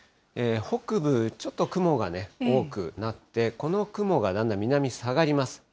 北部、ちょっと雲がね、多くなって、この雲がだんだん南に下がります。